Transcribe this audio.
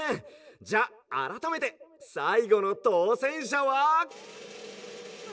じゃああらためてさいごのとうせんしゃは」。